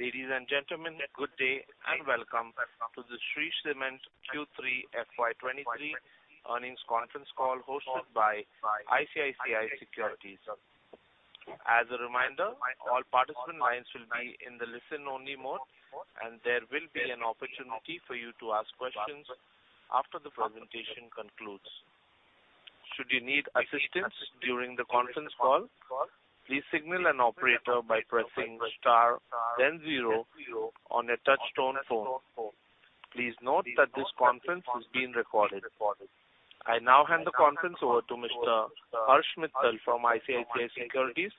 Ladies and gentlemen, good day and welcome to the Shree Cement Q3 FY 2023 earnings conference call hosted by ICICI Securities. As a reminder, all participant lines will be in the listen-only mode, and there will be an opportunity for you to ask questions after the presentation concludes. Should you need assistance during the conference call, please signal an operator by pressing star then zero on a touch tone phone. Please note that this conference is being recorded. I now hand the conference over to Mr. Harsh Mittal from ICICI Securities.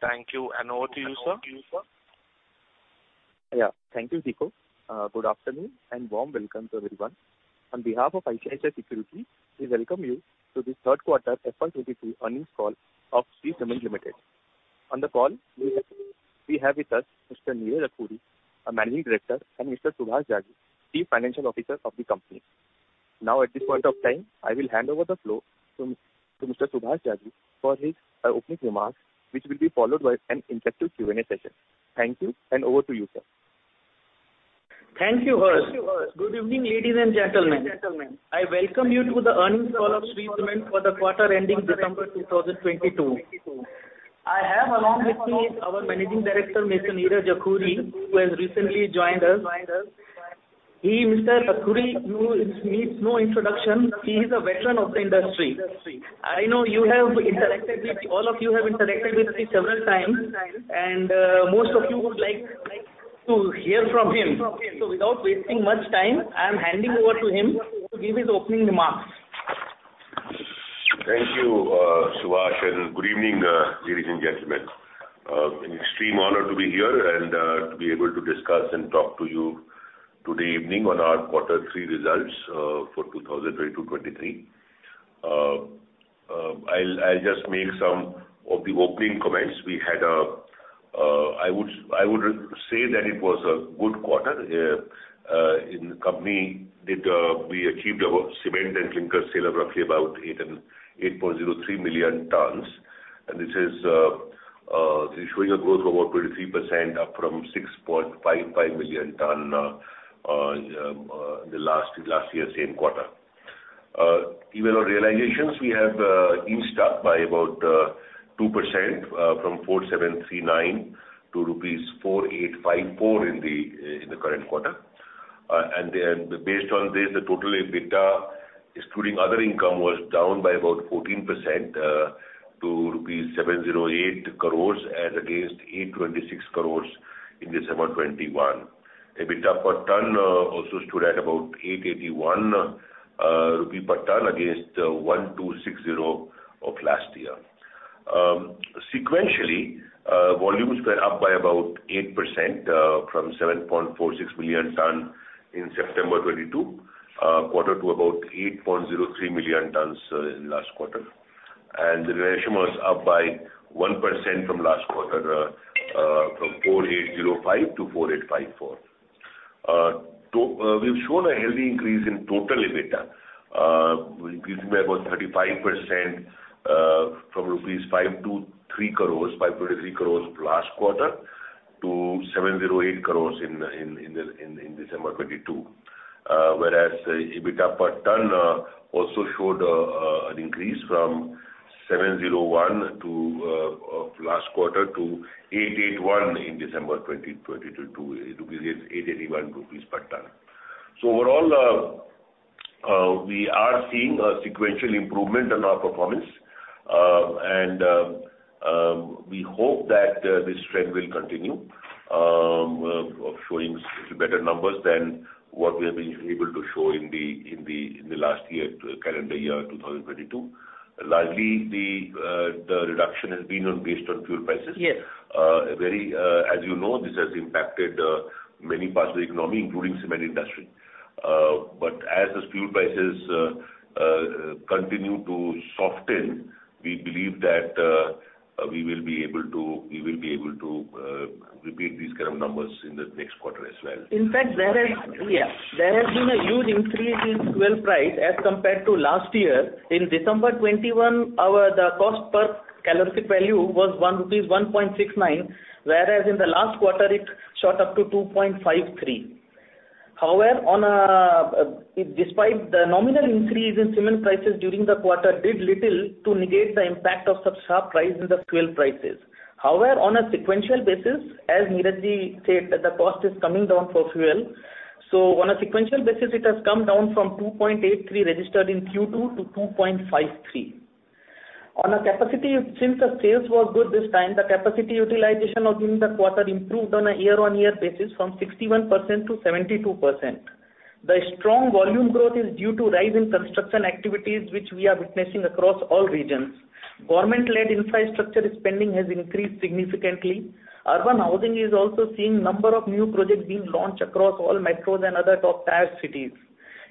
Thank you, and over to you, sir. Thank you, Tikku. Good afternoon and warm welcome to everyone. On behalf of ICICI Securities, we welcome you to the third quarter FY 2023 earnings call of Shree Cement Limited. On the call we have with us Mr. Neeraj Akhoury, our Managing Director, and Mr. Subhash Jajoo, Chief Financial Officer of the company. At this point of time, I will hand over the floor to Mr. Subhash Jajoo for his opening remarks, which will be followed by an interactive Q&A session. Thank you. Over to you, sir. Thank you, Harsh. Good evening, ladies and gentlemen. I welcome you to the earnings call of Shree Cement for the quarter ending December 2022. I have along with me our Managing Director, Mr. Neeraj Akhoury, who has recently joined us. He, Mr. Akhoury, you know, needs no introduction. He is a veteran of the industry. I know all of you have interacted with him several times and most of you would like to hear from him. Without wasting much time, I am handing over to him to give his opening remarks. Thank you, Subhash, good evening, ladies and gentlemen. An extreme honor to be here and to be able to discuss and talk to you today evening on our quarter three results for 2022-2023. I'll just make some of the opening comments. I would say that it was a good quarter. We achieved our cement and clinker sale of roughly about 8.03 million tons. This is showing a growth of about 23% up from 6.55 million tons last year same quarter. Even on realizations we have inched up by about 2%, from 4,739-4,854 rupees in the current quarter. Based on this, the total EBITDA excluding other income was down by about 14%, to rupees 708 crores and against 826 crores in December 2021. EBITDA per ton also stood at about 881 rupee per ton against 1,260 of last year. Sequentially, volumes were up by about 8%, from 7.46 million ton in September 2022 quarter to about 8.03 million tons in last quarter. The realization was up by 1% from last quarter, from 4,805-4,854. We've shown a healthy increase in total EBITDA, increasing by about 35%, from rupees 523 crore, 5.3 crore last quarter to 708 crore in December 2022. Whereas EBITDA per tonne also showed an increase from 701 of last quarter to 881 in December 2022, INR 881 per tonne. Overall, we are seeing a sequential improvement in our performance. We hope that this trend will continue of showing better numbers than what we have been able to show in the last year, calendar year 2022. Largely the reduction has been based on fuel prices. Yes. Very, as you know, this has impacted many parts of the economy, including cement industry. As the fuel prices continue to soften, we believe that we will be able to repeat these kind of numbers in the next quarter as well. Fact, there- Okay. Yeah. There has been a huge increase in fuel price as compared to last year. In December 2021, the cost per calorific value was 1.69, whereas in the last quarter it shot up to 2.53. However, despite the nominal increase in cement prices during the quarter did little to negate the impact of the sharp rise in the fuel prices. However, on a sequential basis, as Neeraj said that the cost is coming down for fuel. On a sequential basis it has come down from 2.83 registered in Q2 to 2.53. On a capacity, since the sales were good this time, the capacity utilization during the quarter improved on a year-on-year basis from 61% to 72%. The strong volume growth is due to rise in construction activities which we are witnessing across all regions. Government-led infrastructure spending has increased significantly. Urban housing is also seeing number of new projects being launched across all metros and other top tier cities.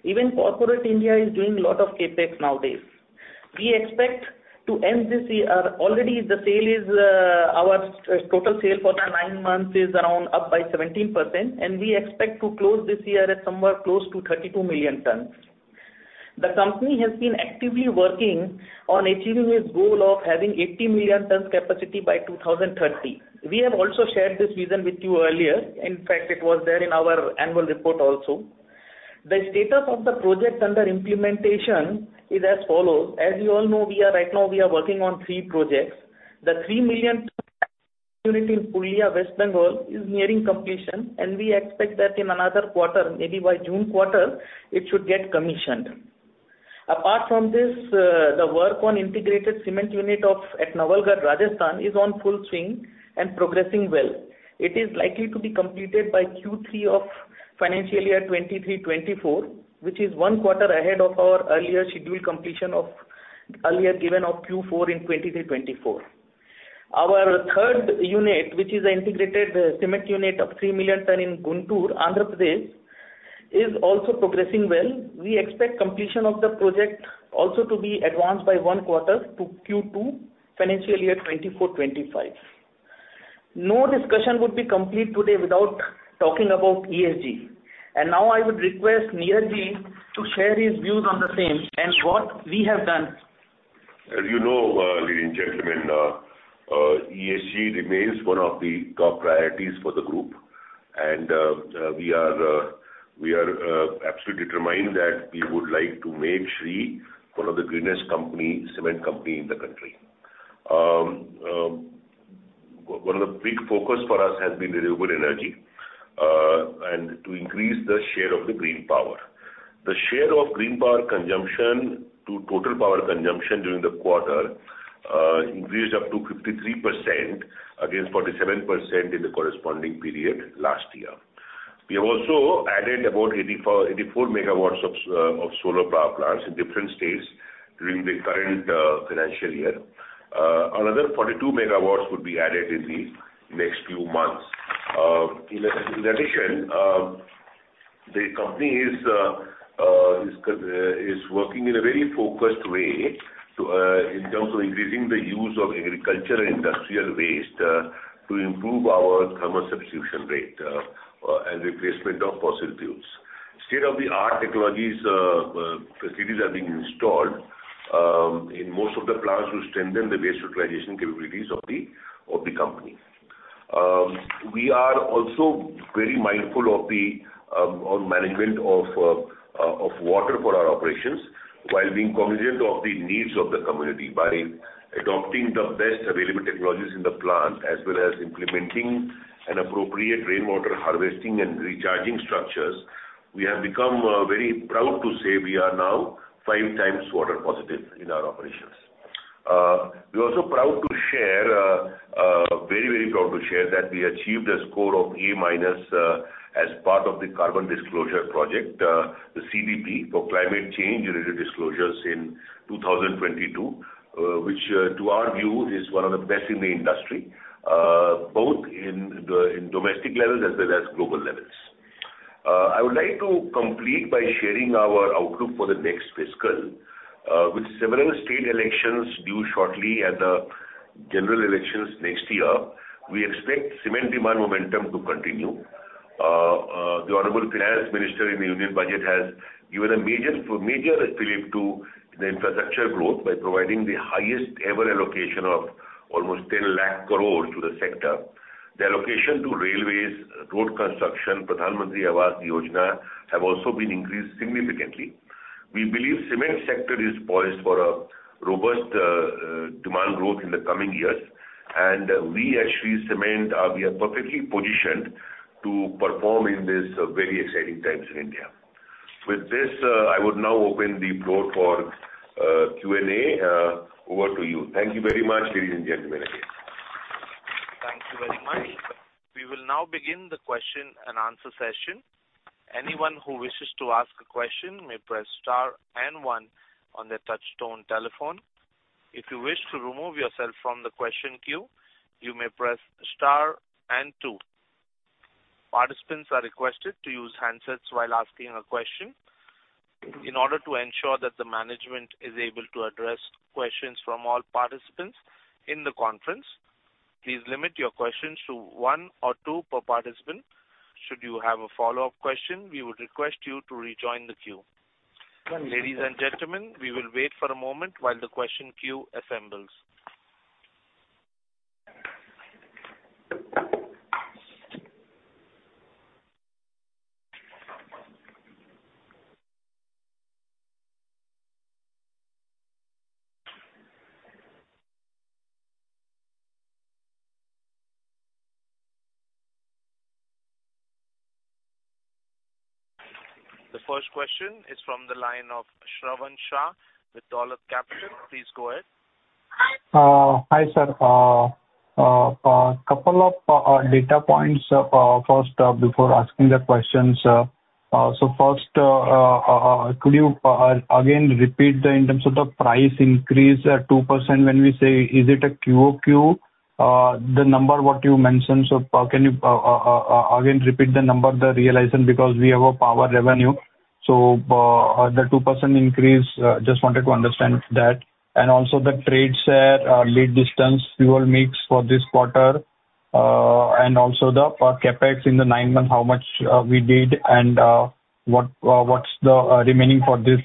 Even corporate India is doing lot of CapEx nowadays. We expect to end this year. Already the sale is, our total sale for the nine months is around up by 17%, and we expect to close this year at somewhere close to 32 million tons. The company has been actively working on achieving its goal of having 80 million tons capacity by 2030. We have also shared this vision with you earlier. In fact, it was there in our annual report also. The status of the project under implementation is as follows. As you all know, right now, we are working on three projects. The 3 million West Bengal is nearing completion. We expect that in another quarter, maybe by June quarter, it should get commissioned. Apart from this, the work on integrated cement unit at Nawalgarh, Rajasthan is on full swing and progressing well. It is likely to be completed by Q3 of financial year 2023-2024, which is one quarter ahead of our earlier scheduled completion of earlier given of Q4 in 2023-2024. Our third unit, which is an integrated cement unit of 3 million ton in Guntur, Andhra Pradesh, is also progressing well. We expect completion of the project also to be advanced by one quarter to Q2 financial year 2024-2025. No discussion would be complete today without talking about ESG. Now I would request Neeraj to share his views on the same and what we have done. As you know, ladies and gentlemen, ESG remains one of the top priorities for the group. We are absolutely determined that we would like to make Shree one of the greenest cement company in the country. One of the big focus for us has been renewable energy and to increase the share of the green power. The share of green power consumption to total power consumption during the quarter increased up to 53% against 47% in the corresponding period last year. We have also added about 84 MW of solar power plants in different states during the current financial year. Another 42 MW would be added in the next few months. In addition, the company is working in a very focused way to in terms of increasing the use of agriculture and industrial waste to improve our thermal substitution rate and replacement of fossil fuels. State-of-the-art technologies facilities are being installed in most of the plants to strengthen the waste utilization capabilities of the company. We are also very mindful of the management of water for our operations while being cognizant of the needs of the community by adopting the best available technologies in the plant as well as implementing an appropriate rainwater harvesting and recharging structures. We have become very proud to say we are now five times water positive in our operations. We're also very proud to share that we achieved a score of A minus as part of the Carbon Disclosure Project, the CDP for climate change-related disclosures in 2022, which, to our view, is one of the best in the industry, both in domestic levels as well as global levels. I would like to complete by sharing our outlook for the next fiscal. With several state elections due shortly at the general elections next year, we expect cement demand momentum to continue. The Honorable Finance Minister in the Union Budget has given a major relief to the infrastructure growth by providing the highest ever allocation of almost 10 lakh crore to the sector. The allocation to railways, road construction, Pradhan Mantri Awas Yojana have also been increased significantly. We believe cement sector is poised for a robust demand growth in the coming years, and we at Shree Cement are perfectly positioned to perform in this very exciting times in India. With this, I would now open the floor for Q&A. Over to you. Thank you very much, ladies and gentlemen, again. Thank you very much. We will now begin the question and answer session. Anyone who wishes to ask a question may press star and one on their touchtone telephone. If you wish to remove yourself from the question queue, you may press star and two. Participants are requested to use handsets while asking a question. In order to ensure that the management is able to address questions from all participants in the conference, please limit your questions to one or two per participant. Should you have a follow-up question, we would request you to rejoin the queue. Ladies and gentlemen, we will wait for a moment while the question queue assembles. The first question is from the line of Shravan Shah with Dolat Capital. Please go ahead. Hi, sir. Couple of data points first before asking the questions. First, could you again repeat in terms of the price increase at 2% when we say is it a QoQ? The number what you mentioned, so can you again repeat the number, the realization because we have a power revenue. The 2% increase, just wanted to understand that. Also the trade share, lead distance, fuel mix for this quarter. Also the CapEx in the nine month, how much we did, and what's the remaining for this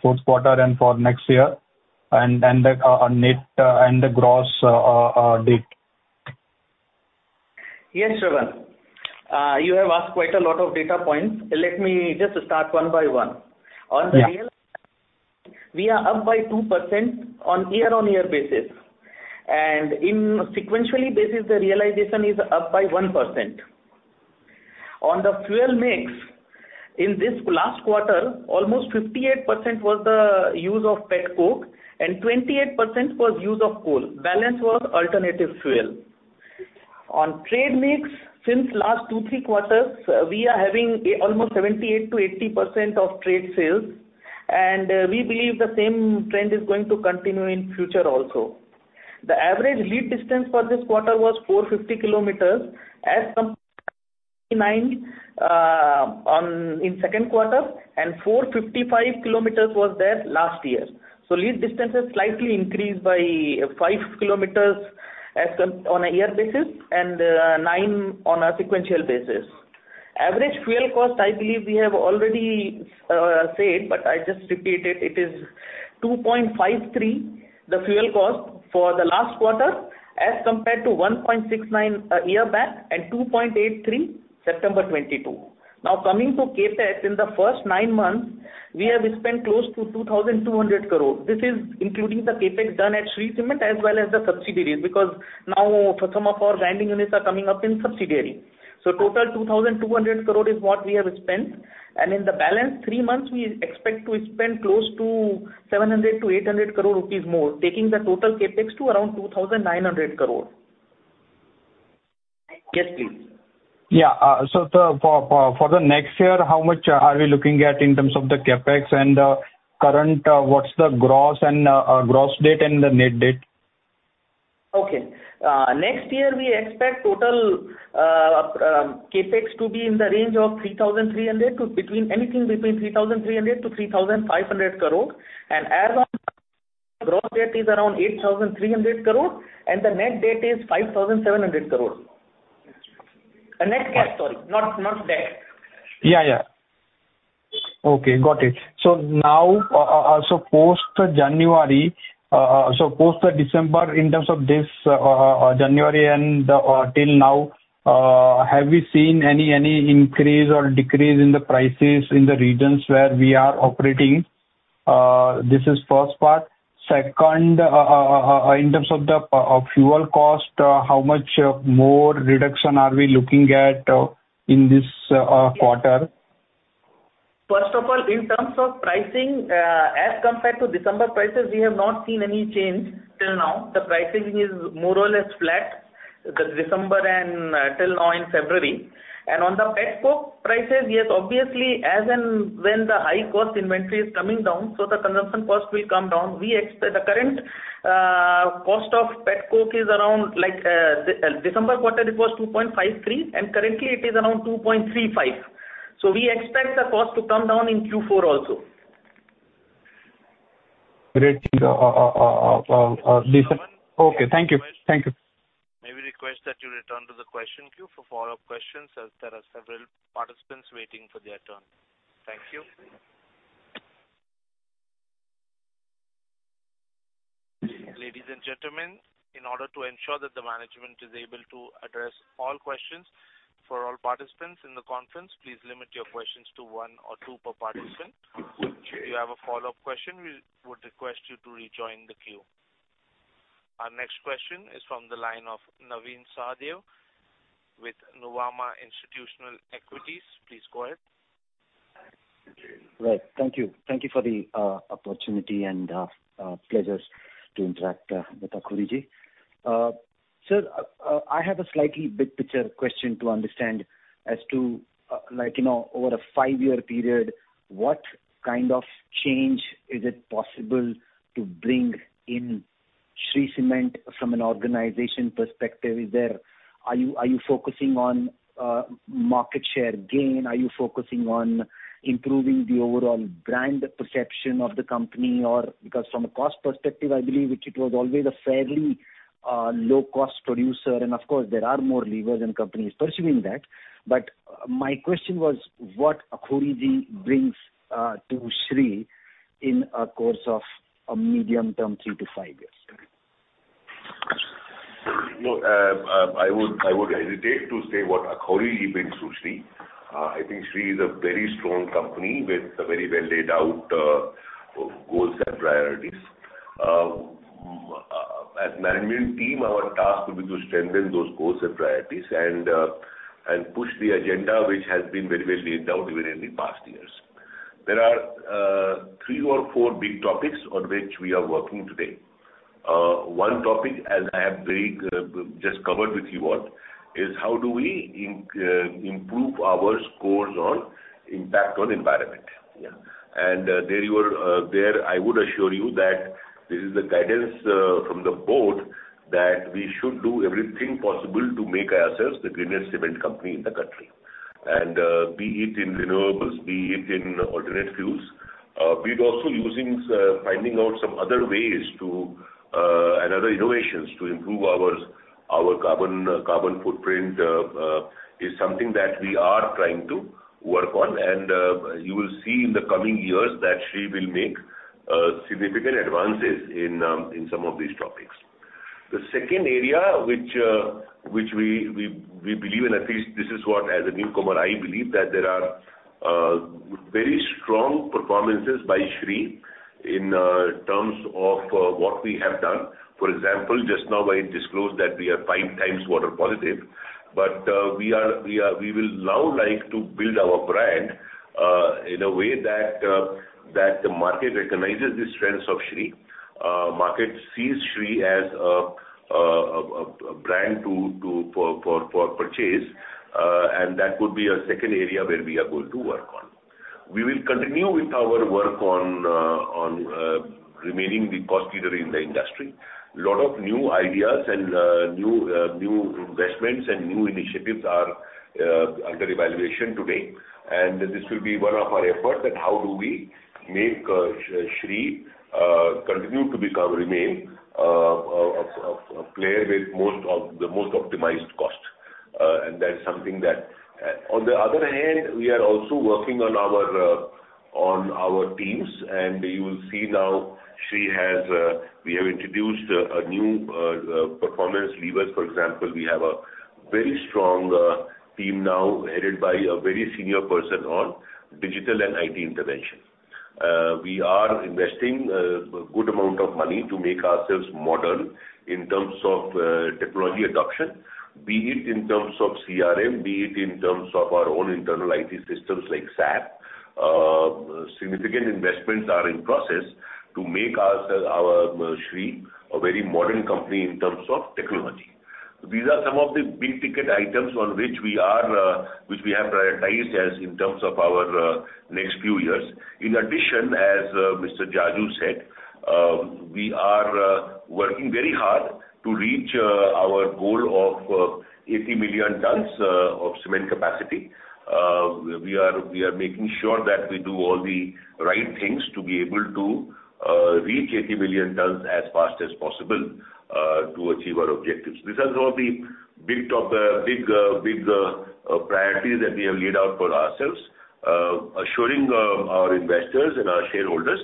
fourth quarter and for next year, and the our net and the gross debt? Yes, Shravan. You have asked quite a lot of data points. Let me just start one by one. Yeah. On the real we are up by 2% on year-over-year basis. In sequentially basis, the realization is up by 1%. On the fuel mix, in this last quarter, almost 58% was the use of pet coke and 28% was use of coal. Balance was alternative fuel. On trade mix, since last two, three quarters, we are having almost 78%-80% of trade sales. We believe the same trend is going to continue in future also. The average lead distance for this quarter was 450 km as compared to 99, on, in second quarter, and 455 km was there last year. Lead distance has slightly increased by 5 km on a year basis, and nine on a sequential basis. Average fuel cost, I believe we have already said, but I just repeat it. It is 2.53, the fuel cost for the last quarter, as compared to 1.69 a year back and 2.83, September 2022. Coming to CapEx, in the first nine months, we have spent close to 2,200 crore. This is including the CapEx done at Shree Cement as well as the subsidiaries. Because now some of our grinding units are coming up in subsidiary. Total 2,200 crore is what we have spent. In the balance three months we expect to spend close to 700-800 crore rupees more, taking the total CapEx to around 2,900 crore. Yes, please. Yeah. the for the next year, how much are we looking at in terms of the CapEx and, current, what's the gross and, gross date and the net date? Okay. next year we expect total CapEx to be in the range of 3,300 to between anything between 3,300-3,500 crore. As on gross debt is around 8,300 crore and the net debt is 5,700 crore. Net cash, sorry, not debt. Yeah, yeah. Okay. Got it. Now, post January, post December in terms of this January and till now, have we seen any increase or decrease in the prices in the regions where we are operating? This is first part. Second, in terms of the fuel cost, how much more reduction are we looking at in this quarter? First of all, in terms of pricing, as compared to December prices, we have not seen any change till now. The pricing is more or less flat, the December and, till now in February. On the pet coke prices, yes, obviously, as and when the high cost inventory is coming down, so the consumption cost will come down. We expect the current cost of pet coke is around like, December quarter it was 2.53, and currently it is around 2.35. So we expect the cost to come down in Q4 also. Great. Shravan? Okay. Thank you. Thank you. May we request that you return to the question queue for follow-up questions as there are several participants waiting for their turn. Thank you. Ladies and gentlemen, in order to ensure that the management is able to address all questions for all participants in the conference, please limit your questions to one or two per participant. Okay. If you have a follow-up question, we would request you to rejoin the queue. Our next question is from the line of Navin Sahadeo with Nuvama Institutional Equities. Please go ahead. Okay. Right. Thank you. Thank you for the opportunity and pleasure to interact with Akhoury. Sir, I have a slightly big picture question to understand as to, like, you know, over a five-year period, what kind of change is it possible to bring in Shree Cement from an organization perspective? Are you focusing on market share gain? Are you focusing on improving the overall brand perception of the company? Or because from a cost perspective, I believe it was always a fairly low cost producer. And of course, there are more levers and companies pursuing that. But my question was, what Akhoury brings to Shree in a course of a medium term, three to five years? You know, I would hesitate to say what Akhoury brings to Shree. I think Shree is a very strong company with a very well laid out goals and priorities. As management team, our task will be to strengthen those goals and priorities and push the agenda, which has been very well laid out even in the past years. There are three or four big topics on which we are working today. One topic, as I have very just covered with you all, is how do we improve our scores on impact on environment? Yeah. There you are, there I would assure you that this is the guidance from the board that we should do everything possible to make ourselves the greenest cement company in the country. Be it in renewables, be it in alternate fuels, be it also using, finding out some other ways to and other innovations to improve our carbon footprint is something that we are trying to work on. You will see in the coming years that Shree will make significant advances in some of these topics. The second area which we believe, and at least this is what as a newcomer, I believe, that there are very strong performances by Shree in terms of what we have done. For example, just now I disclosed that we are 5x water positive, but we will now like to build our brand in a way that the market recognizes the strengths of Shree. Market sees Shree as a brand to purchase. That would be a second area where we are going to work on. We will continue with our work on remaining the cost leader in the industry. A lot of new ideas and new investments and new initiatives are under evaluation today. This will be one of our effort that how do we make Shree continue to become, remain a player with most of the most optimized cost. That's something that. On the other hand, we are also working on our teams, and you will see now Shree has, we have introduced a new performance levers. For example, we have a very strong team now headed by a very senior person on digital and IT intervention. We are investing a good amount of money to make ourselves modern in terms of technology adoption, be it in terms of CRM, be it in terms of our own internal IT systems like SAP. Significant investments are in process to make our Shree a very modern company in terms of technology. These are some of the big ticket items on which we are which we have prioritized as in terms of our next few years. In addition, as Mr. Jajoo said, we are working very hard to reach our goal of 80 million tons of cement capacity. We are making sure that we do all the right things to be able to reach 80 million tons as fast as possible to achieve our objectives. These are some of the big top big priorities that we have laid out for ourselves. Assuring our investors and our shareholders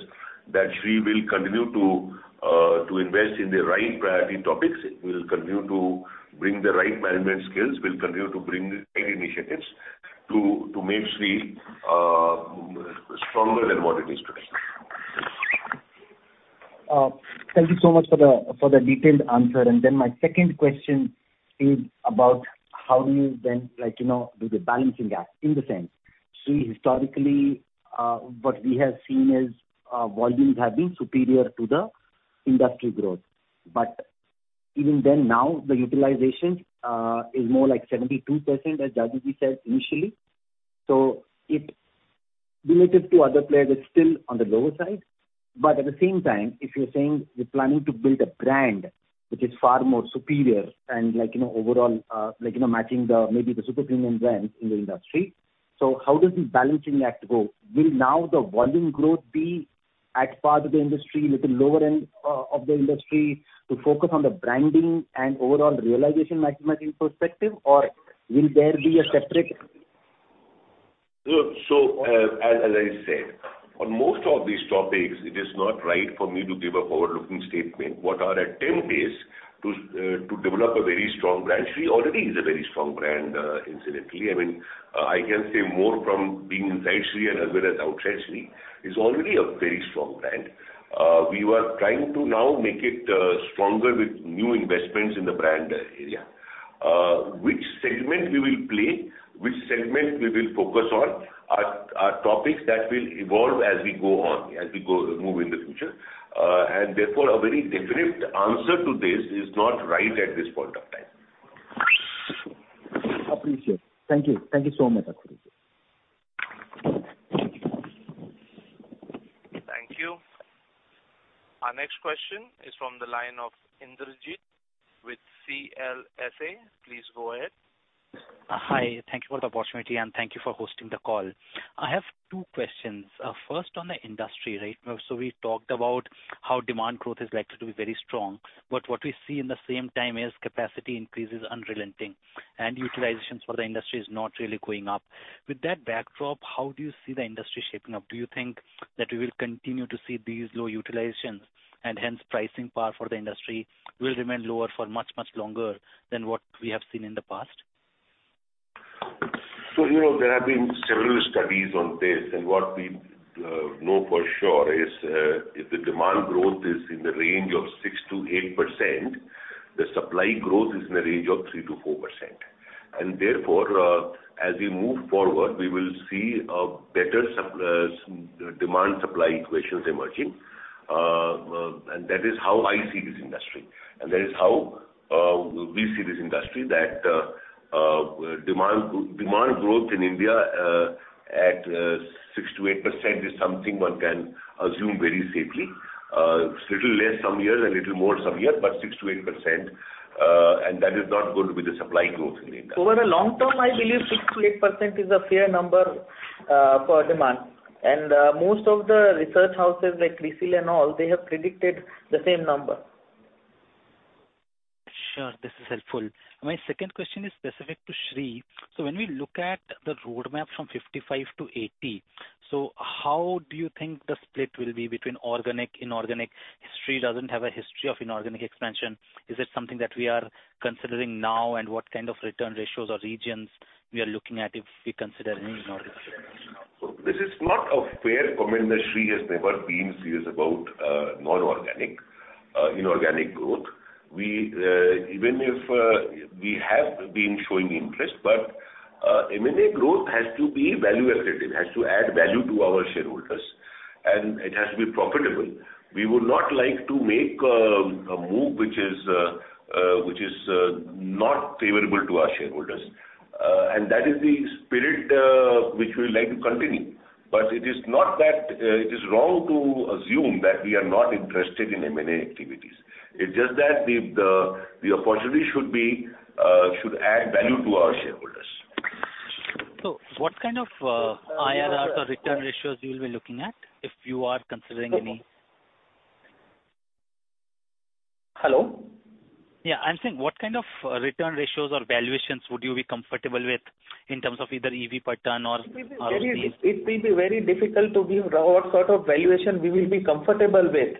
that Shree will continue to invest in the right priority topics. We'll continue to bring the right management skills. We'll continue to bring the right initiatives to make Shree stronger than what it is today. Thank you so much for the detailed answer. My second question is about how do you then, like, you know, do the balancing act in the sense. Shree historically, what we have seen is, volumes have been superior to the industry growth. Even then, now the utilization is more like 72%, as Jajoo said initially. Relative to other players, it's still on the lower side. At the same time, if you're saying you're planning to build a brand which is far more superior and like, you know, overall, like, you know, matching the, maybe the super premium brands in the industry, how does the balancing act go? Will now the volume growth be at par with the industry, little lower end of the industry to focus on the branding and overall realization maximizing perspective? Will there be a separate. As I said, on most of these topics, it is not right for me to give a forward-looking statement. What our attempt is to develop a very strong brand. Shree already is a very strong brand, incidentally. I mean, I can say more from being inside Shree and as well as outside Shree. It's already a very strong brand. We were trying to now make it stronger with new investments in the brand area. Which segment we will play, which segment we will focus on are topics that will evolve as we go on, as we move in the future. Therefore, a very definite answer to this is not right at this point of time. Appreciate. Thank you. Thank you so much. Thank you. Thank you. Our next question is from the line of Indrajit with CLSA. Please go ahead. Hi. Thank you for the opportunity. Thank you for hosting the call. I have two questions. First on the industry, right? We talked about how demand growth is likely to be very strong, but what we see in the same time is capacity increase is unrelenting and utilizations for the industry is not really going up. With that backdrop, how do you see the industry shaping up? Do you think that we will continue to see these low utilizations and hence pricing power for the industry will remain lower for much, much longer than what we have seen in the past? You know, there have been several studies on this, and what we know for sure is, if the demand growth is in the range of 6%-8%, the supply growth is in the range of 3%-4%. Therefore, as we move forward, we will see a better demand supply equations emerging. That is how I see this industry, and that is how we see this industry, that demand growth in India, at 6%-8% is something one can assume very safely. It's little less some years and little more some years, but 6%-8%. That is not going to be the supply growth in the income. Over the long term, I believe 68% is a fair number for demand. Most of the research houses like Crisil and all, they have predicted the same number. Sure. This is helpful. My second question is specific to Shree. When we look at the roadmap from 55 to 80, so how do you think the split will be between organic, inorganic? Shree doesn't have a history of inorganic expansion. Is it something that we are considering now? What kind of return ratios or regions we are looking at if we consider any inorganic expansion? This is not a fair comment that Shree has never been serious about non-organic, inorganic growth. We, even if, we have been showing interest, but M&A growth has to be value accretive, it has to add value to our shareholders, and it has to be profitable. We would not like to make a move which is not favorable to our shareholders. That is the spirit which we would like to continue. It is not that it is wrong to assume that we are not interested in M&A activities. It's just that the opportunity should be should add value to our shareholders. What kind of IRR or return ratios you'll be looking at if you are considering any? Hello? Yeah. I'm saying, what kind of return ratios or valuations would you be comfortable with in terms of either EV per tonne or. It will be very difficult to give what sort of valuation we will be comfortable with.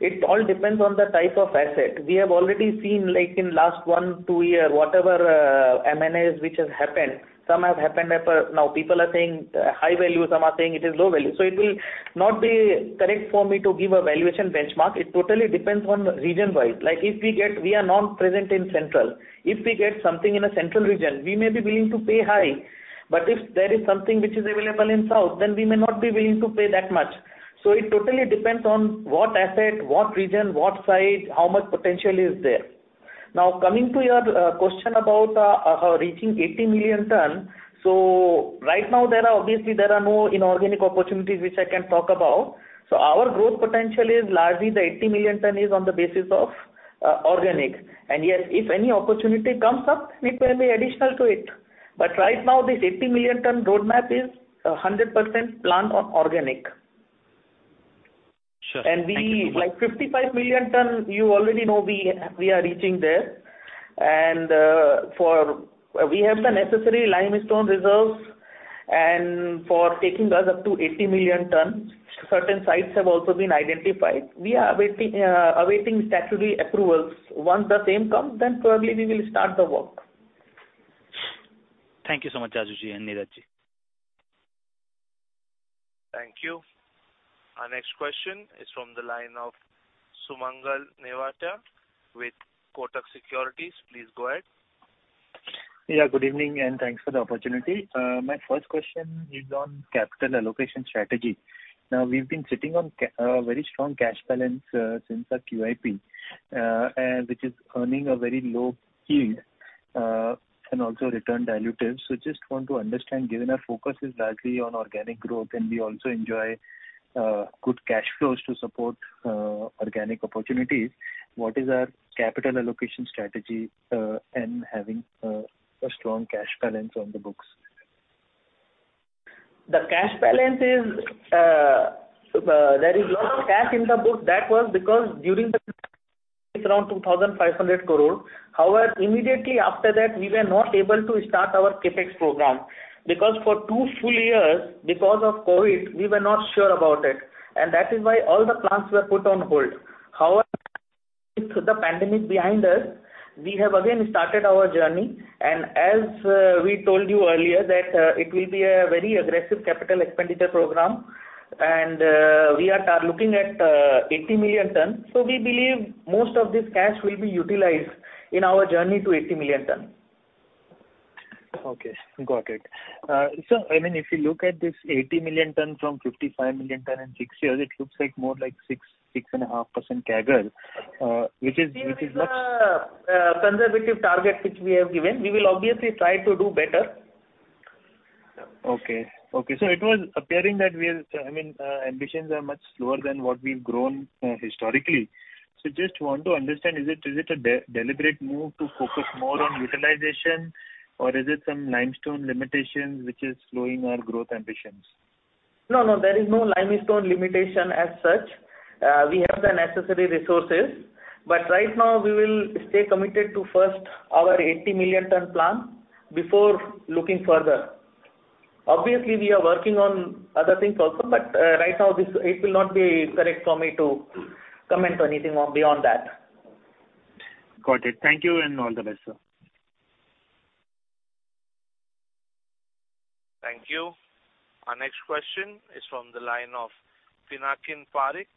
It all depends on the type of asset. We have already seen, like in last one, two year, whatever M&As which has happened, some have happened at a. Now people are saying high value, some are saying it is low value. It will not be correct for me to give a valuation benchmark. It totally depends on region-wise. If we get, we are not present in central. If we get something in a central region, we may be willing to pay high, but if there is something which is available in south, then we may not be willing to pay that much. It totally depends on what asset, what region, what size, how much potential is there. Coming to your question about reaching 80 million tons. Right now there are, obviously there are no inorganic opportunities which I can talk about. Our growth potential is largely the 80 million tons is on the basis of organic. Yes, if any opportunity comes up, it will be additional to it. Right now this 80 million tons roadmap is a 100% plan on organic. Sure. We, like 55 million ton, you already know we are reaching there. for, we have the necessary limestone reserves and for taking us up to 80 million ton, certain sites have also been identified. We are awaiting statutory approvals. Once the same come, then probably we will start the work. Thank you so much, Jajoo and Neeraj. Thank you. Our next question is from the line of Sumangal Nevatia with Kotak Securities. Please go ahead. Good evening, and thanks for the opportunity. My first question is on capital allocation strategy. We've been sitting on very strong cash balance since our QIP, and which is earning a very low yield and also return dilutive. Just want to understand, given our focus is largely on organic growth, and we also enjoy good cash flows to support organic opportunities, what is our capital allocation strategy and having a strong cash balance on the books? The cash balance is, there is lot of cash in the book. That was because during the it's around 2,500 crore. However, immediately after that, we were not able to start our CapEx program because for two full years, because of COVID, we were not sure about it. That is why all the plants were put on hold. However, the pandemic behind us, we have again started our journey. As we told you earlier that it will be a very aggressive capital expenditure program. We are looking at 80 million ton. We believe most of this cash will be utilized in our journey to 80 million ton. Okay. Got it. I mean, if you look at this 80 million ton from 55 million ton in six years, it looks like more like 6%-6.5% CAGR, which is much- This is a conservative target which we have given. We will obviously try to do better. Okay. Okay. It was appearing that we are, I mean, ambitions are much lower than what we've grown historically. Just want to understand, is it a deliberate move to focus more on utilization or is it some limestone limitations which is slowing our growth ambitions? No, no, there is no limestone limitation as such. We have the necessary resources. Right now we will stay committed to first our 80 million ton plan before looking further. Obviously, we are working on other things also, right now it will not be correct for me to comment on anything more beyond that. Got it. Thank you and all the best, sir. Thank you. Our next question is from the line of Pinakin Parekh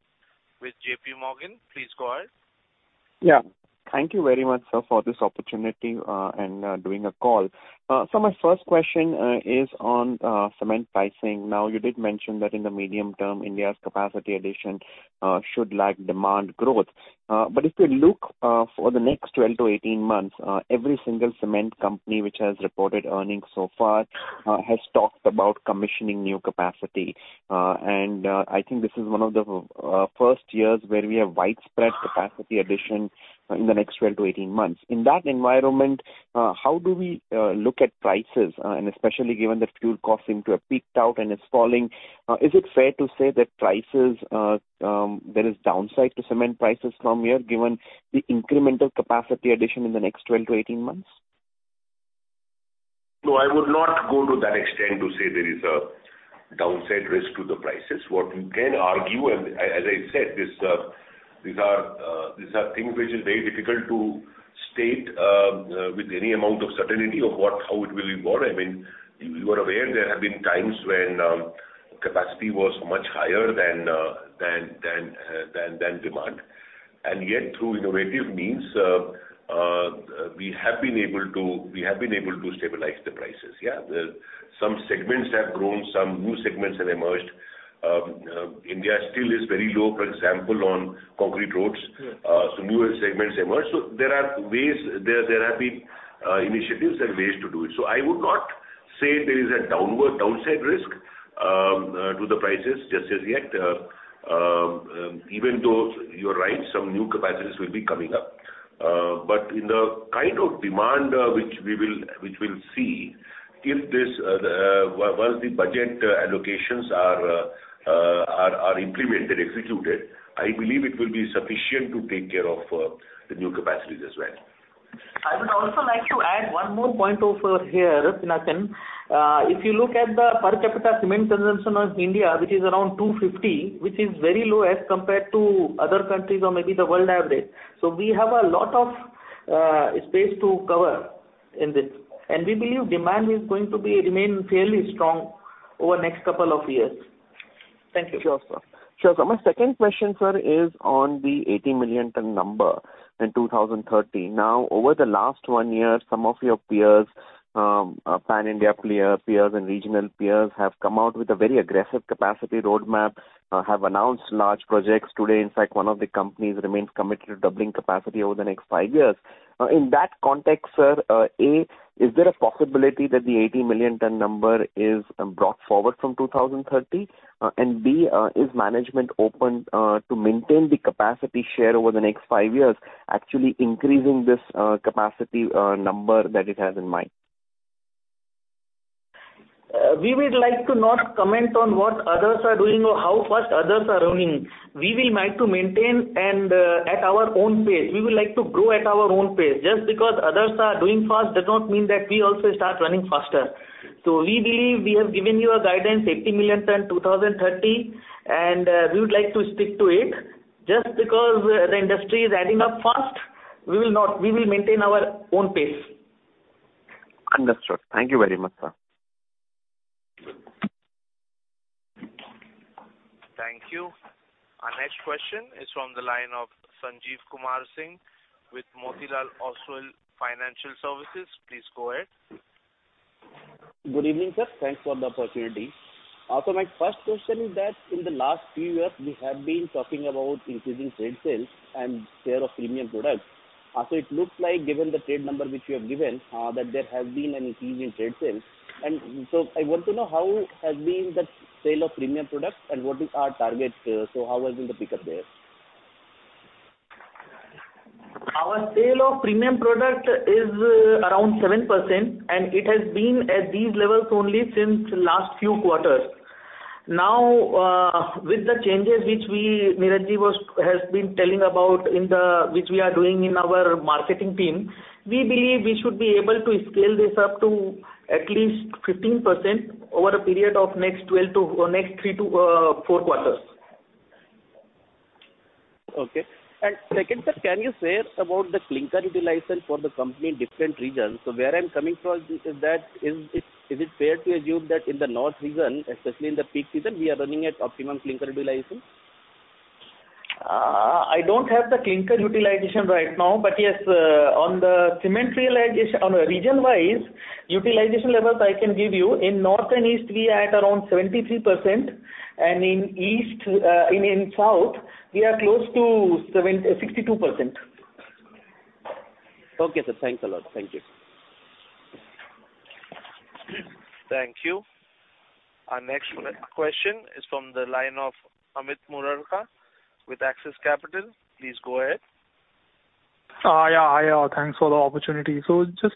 with J.P. Morgan. Please go ahead. Thank you very much, sir, for this opportunity and doing a call. My first question is on cement pricing. You did mention that in the medium term, India's capacity addition should lag demand growth. If you look for the next 12 to 18 months, every single cement company which has reported earnings so far has talked about commissioning new capacity. I think this is one of the first years where we have widespread capacity addition in the next 12 to 18 months. In that environment, how do we look at prices, especially given the fuel costs seem to have peaked out and is falling. Is it fair to say that prices, there is downside to cement prices from here, given the incremental capacity addition in the next 12-18 months? No, I would not go to that extent to say there is a downside risk to the prices. What you can argue, as I said, these are things which is very difficult to state with any amount of certainty of what, how it will evolve. I mean, you are aware there have been times when capacity was much higher than demand. Yet through innovative means, we have been able to stabilize the prices. Yeah. Some segments have grown, some new segments have emerged. India still is very low, for example, on concrete roads. Sure. Newer segments emerge. There are ways, there have been initiatives and ways to do it. I would not say there is a downward downside risk to the prices just as yet. Even though you're right, some new capacities will be coming up. In the kind of demand, which we'll see if this, the once the budget allocations are implemented, executed, I believe it will be sufficient to take care of the new capacities as well. I would also like to add one more point over here, Pinakin. If you look at the per capita cement consumption of India, which is around 250, which is very low as compared to other countries or maybe the world average. We have a lot of space to cover in this, and we believe demand is going to be, remain fairly strong over the next couple of years. Thank you. Sure, sir. Sure. My second question, sir, is on the 80 million ton number in 2030. Over the last one year, some of your peers, pan-India peers and regional peers have come out with a very aggressive capacity roadmap, have announced large projects. Today, in fact, one of the companies remains committed to doubling capacity over the next five years. In that context, sir, A, is there a possibility that the 80 million ton number is brought forward from 2030? B, is management open to maintain the capacity share over the next five years, actually increasing this capacity number that it has in mind? We would like to not comment on what others are doing or how fast others are running. We will like to maintain at our own pace. We would like to grow at our own pace. Just because others are doing fast does not mean that we also start running faster. We believe we have given you a guidance, 80 million ton in 2030, we would like to stick to it. Just because the industry is adding up fast, we will not. We will maintain our own pace. Understood. Thank you very much, sir. Thank you. Our next question is from the line of Sanjeev Kumar Singh with Motilal Oswal Financial Services. Please go ahead. Good evening, sir. Thanks for the opportunity. My first question is that in the last few years, we have been talking about increasing trade sales and share of premium products. It looks like given the trade number which you have given, that there has been an increase in trade sales. I want to know how has been the sale of premium products and what is our target sale. How has been the pickup there? Our sale of premium product is around 7%. It has been at these levels only since last few quarters. With the changes which Neeraj has been telling about in the, which we are doing in our marketing team, we believe we should be able to scale this up to at least 15% over a period of next three to four quarters. Okay. Second, sir, can you share about the clinker utilization for the company in different regions? Where I'm coming from is that, is it fair to assume that in the north region, especially in the peak season, we are running at optimum clinker utilization? I don't have the clinker utilization right now. Yes, on the cement realization, on region-wise utilization levels, I can give you. In north and east we are at around 73%. In east, in south we are close to 62%. Okay, sir. Thanks a lot. Thank you. Thank you. Our next question is from the line of Amit Murarka with Axis Capital. Please go ahead. Hi. Hi. Thanks for the opportunity. Just,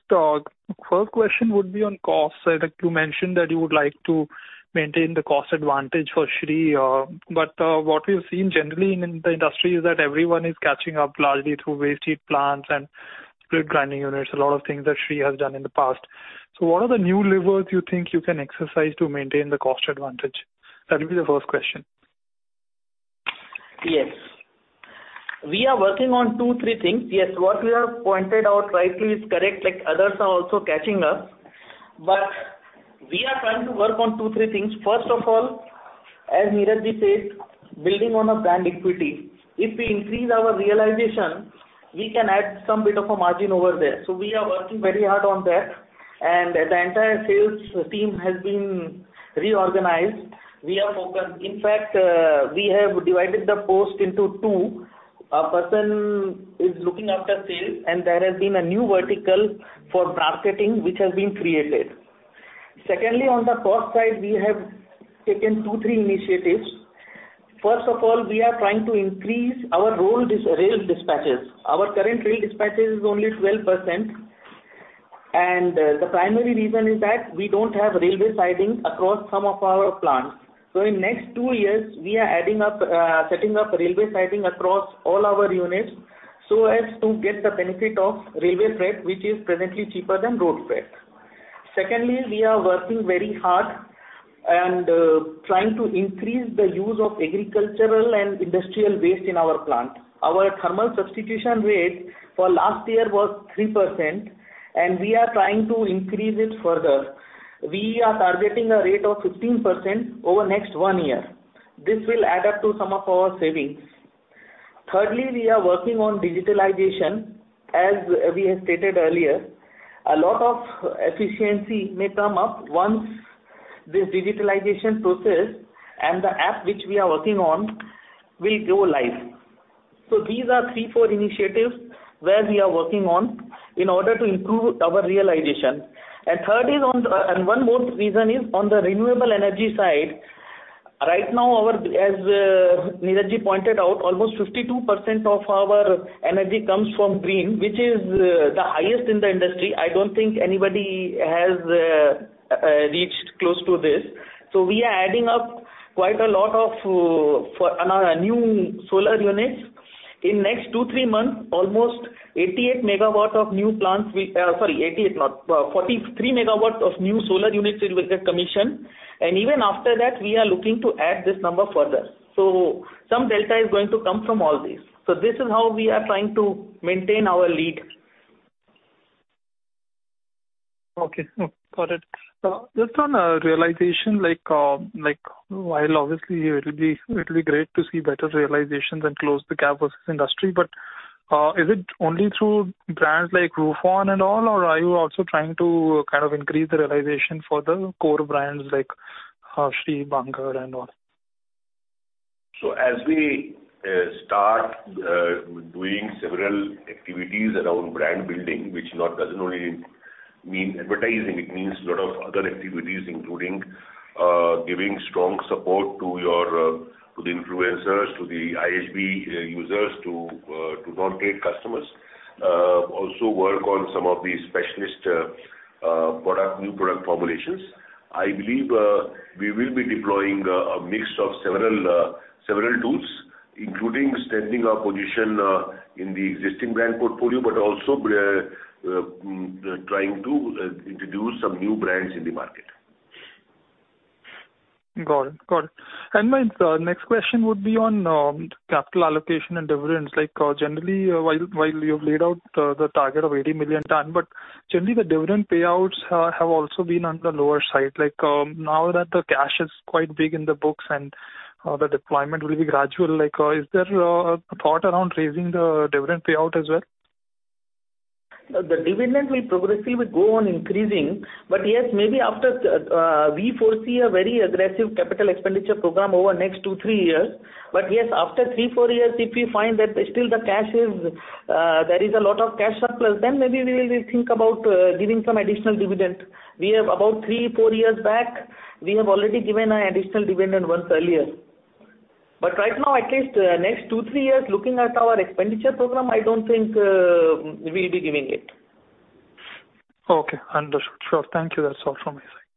first question would be on costs. Like you mentioned that you would like to maintain the cost advantage for Shree, but, what we've seen generally in the industry is that everyone is catching up largely through waste heat plants and grinding units, a lot of things that Shree has done in the past. What are the new levers you think you can exercise to maintain the cost advantage? That will be the first question. Yes. We are working on two, three things. Yes, what you have pointed out rightly is correct, like others are also catching up. We are trying to work on two, three things. First of all, as Neeraj said, building on a brand equity, if we increase our realization, we can add some bit of a margin over there. We are working very hard on that, and the entire sales team has been reorganized. We have focused. In fact, we have divided the post into two. A person is looking after sales, and there has been a new vertical for marketing which has been created. Secondly, on the cost side, we have taken two, three initiatives. First of all, we are trying to increase our rail dispatches. Our current rail dispatches is only 12%, and the primary reason is that we don't have railway sidings across some of our plants. In next two years we are adding up, setting up railway siding across all our units so as to get the benefit of railway freight, which is presently cheaper than road freight. Secondly, we are working very hard and, trying to increase the use of agricultural and industrial waste in our plant. Our thermal substitution rate for last year was 3%, and we are trying to increase it further. We are targeting a rate of 15% over next one year. This will add up to some of our savings. Thirdly, we are working on digitalization. As we have stated earlier, a lot of efficiency may come up once this digitalization process and the app which we are working on will go live. These are three, four initiatives where we are working on in order to improve our realization. One more reason is on the renewable energy side. Right now, our, as Neeraj pointed out, almost 52% of our energy comes from green, which is the highest in the industry. I don't think anybody has reached close to this. We are adding up quite a lot on our new solar units. In next two, three months, sorry, 88 MW not, 43 MW of new solar units will get commissioned. Even after that, we are looking to add this number further. Some delta is going to come from all this. This is how we are trying to maintain our lead. Okay. Got it. Just on realization, like, while obviously it'll be great to see better realizations and close the gap versus industry, but, is it only through brands like Roofon and all, or are you also trying to kind of increase the realization for the core brands like Shree, Bangur and all? As we start doing several activities around brand building, which not, doesn't only mean advertising, it means a lot of other activities, including giving strong support to your to the influencers, to the IHB users, to to non-trade customers, also work on some of the specialist product, new product formulations. I believe we will be deploying a mix of several tools, including strengthening our position in the existing brand portfolio, but also trying to introduce some new brands in the market. Got it. Got it. My next question would be on capital allocation and dividends. Like, generally, while you've laid out the target of 80 million ton, generally, the dividend payouts have also been on the lower side. Like, now that the cash is quite big in the books, the deployment will be gradual, like, is there a thought around raising the dividend payout as well? The dividend will progressively go on increasing. Maybe after we foresee a very aggressive capital expenditure program over next two, three years. After three, four years, if we find that still the cash is, there is a lot of cash surplus, then maybe we will think about giving some additional dividend. We have about three, four years back, we have already given an additional dividend once earlier. Right now, at least next two, three years, looking at our expenditure program, I don't think we'll be giving it. Okay. Understood. Sure. Thank you. That's all from my side.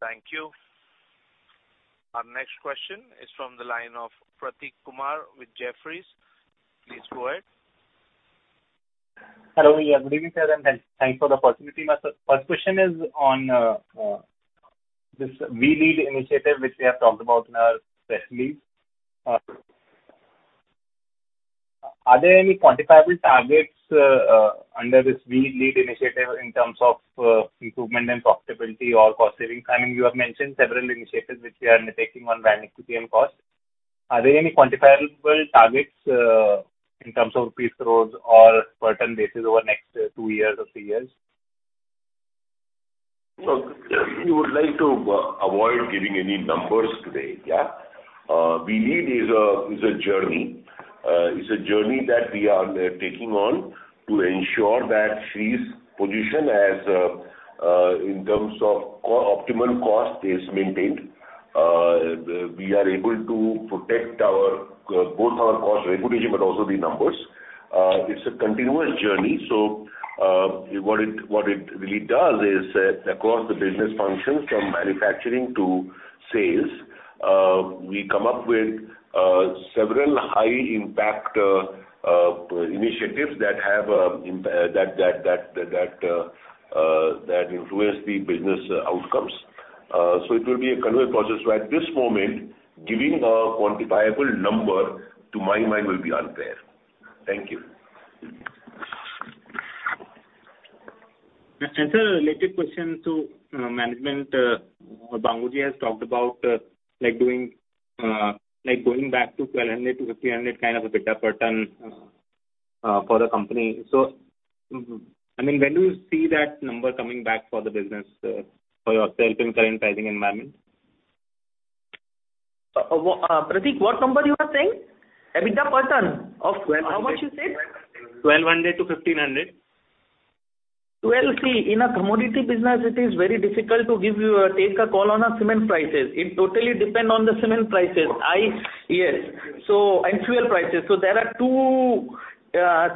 Thank you. Our next question is from the line of Prateek Kumar with Jefferies. Please go ahead. Hello. Good evening, sir, and thanks for the opportunity. My first question is on this WeLead initiative, which we have talked about in our press release. Are there any quantifiable targets under this WeLead initiative in terms of improvement and profitability or cost savings? I mean, you have mentioned several initiatives which we are undertaking on brand equity and cost. Are there any quantifiable targets in terms of piece growth or certain basis over next two years or three years? Look, we would like to avoid giving any numbers today, yeah. WeLead is a journey. It's a journey that we are taking on to ensure that Shree's position as in terms of co-optimal cost is maintained. We are able to protect our, both our cost reputation, but also the numbers. It's a continuous journey. What it really does is, across the business functions from manufacturing to sales, we come up with several high impact initiatives that have that influence the business outcomes. It will be a continuous process, so at this moment, giving a quantifiable number to my mind will be unfair. Thank you. Sir, a related question to management. Bangur has talked about like doing like going back to 1,200-1,500 kind of EBITDA per ton for the company. I mean, when do you see that number coming back for the business for yourself in current pricing environment? Prateek, what number you are saying? EBITDA per ton 1,200. How much you said? 1,200-1,500. See, in a commodity business it is very difficult to give you a take or call on our cement prices. It totally depend on the cement prices. Yes. Fuel prices. There are two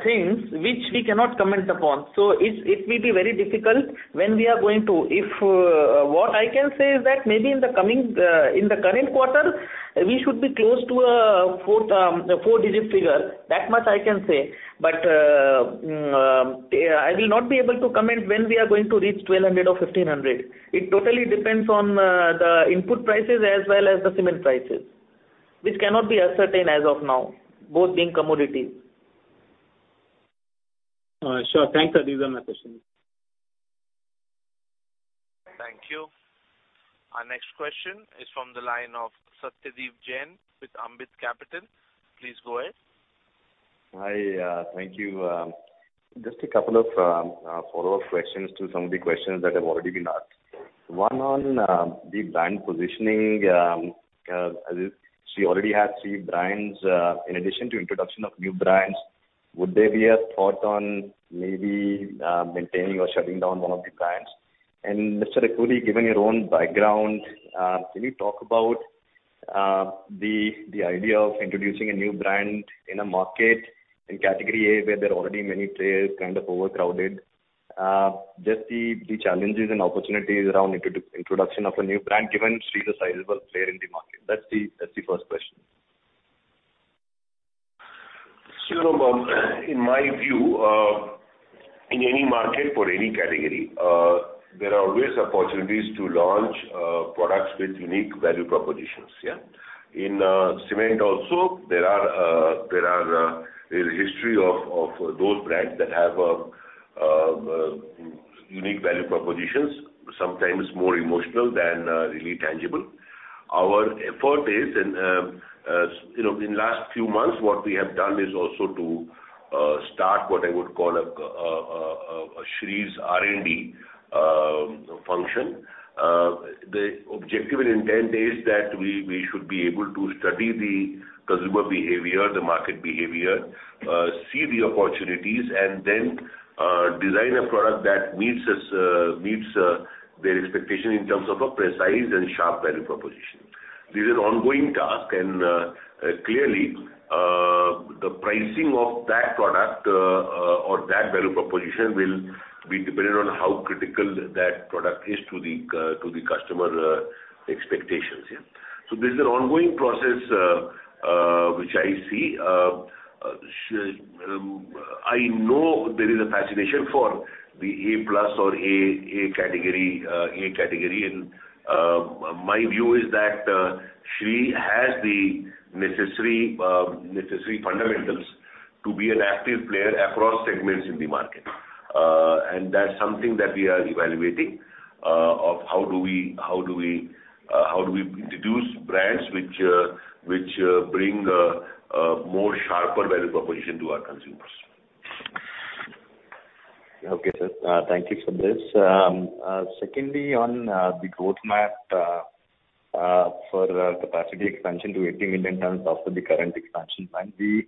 things which we cannot comment upon. It's, it may be very difficult when we are going to. If what I can say is that maybe in the coming in the current quarter, we should be close to a fourth four-digit figure. That much I can say. Yeah, I will not be able to comment when we are going to reach 1,200 or 1,500. It totally depends on the input prices as well as the cement prices, which cannot be ascertained as of now, both being commodities. Sure. Thanks, Jajoo. These are my questions. Thank you. Our next question is from the line of Satyadeep Jain with Ambit Capital. Please go ahead. Hi, thank you. Just a couple of follow-up questions to some of the questions that have already been asked. One on the brand positioning. Shree already has three brands. In addition to introduction of new brands, would there be a thought on maybe maintaining or shutting down one of the brands? Mr. Akhoury, given your own background, can you talk about the idea of introducing a new brand in a market in category A, where there are already many players, kind of overcrowded? Just the challenges and opportunities around introduction of a new brand, given Shree the sizable player in the market. That's the first question. Sure, Jain. In my view, in any market or any category, there are always opportunities to launch products with unique value propositions, yeah. In cement also there are a history of those brands that have unique value propositions, sometimes more emotional than really tangible. Our effort is in, you know, in last few months, what we have done is also to start what I would call a Shree's R&D function. The objective and intent is that we should be able to study the consumer behavior, the market behavior, see the opportunities and then design a product that meets their expectation in terms of a precise and sharp value proposition. This is ongoing task, clearly, the pricing of that product, or that value proposition will be dependent on how critical that product is to the customer, expectations, yeah. This is an ongoing process which I see. I know there is a fascination for the A+ or A category, my view is that Shree has the necessary fundamentals to be an active player across segments in the market. That's something that we are evaluating of how do we, how do we introduce brands which bring a more sharper value proposition to our consumers. Okay, sir. Thank you for this. Secondly, on the growth map, for capacity expansion to 80 million tons after the current expansion plan. We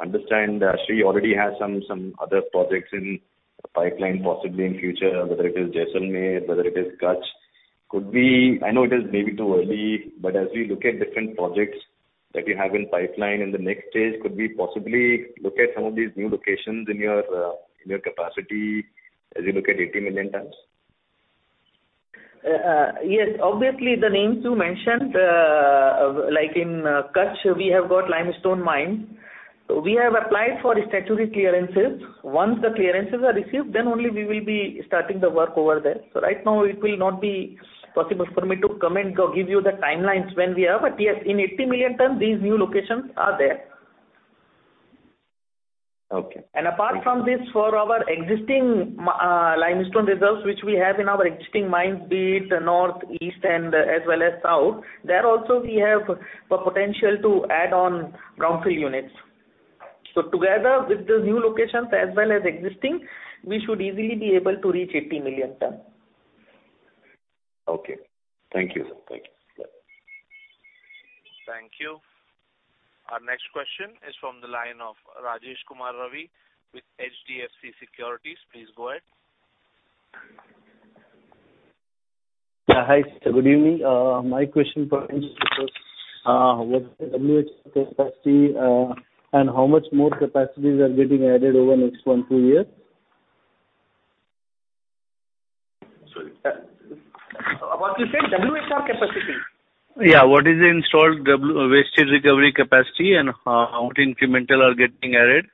understand Shree already has some other projects in pipeline, possibly in future, whether it is Jaisalmer, whether it is Kutch. Could we, I know it is maybe too early, but as we look at different projects that you have in pipeline in the next stage, could we possibly look at some of these new locations in your capacity as you look at 80 million tons? Yes. Obviously the names you mentioned, like in Kutch, we have got limestone mine. We have applied for statutory clearances. Once the clearances are received, then only we will be starting the work over there. Right now it will not be possible for me to comment or give you the timelines when we have. Yes, in 80 million tons, these new locations are there. Okay. Apart from this, for our existing limestone reserves which we have in our existing mines, be it North, East and as well as South, there also we have the potential to add on ground free units. Together with the new locations as well as existing, we should easily be able to reach 80 million tons. Okay. Thank you, sir. Thank you. Bye. Thank you. Our next question is from the line of Rajesh Kumar Ravi with HDFC Securities. Please go ahead. Hi. Good evening. My question pertains to, what's the WHR capacity, and how much more capacities are getting added over the next one, two years? Sorry. What you said? WHR capacity. Yeah. What is the installed waste heat recovery capacity and how incremental are getting added?